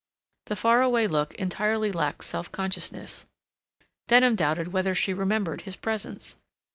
The far away look entirely lacked self consciousness. Denham doubted whether she remembered his presence.